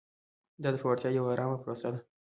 دا د پیاوړتیا یوه ارامه پروسه وه.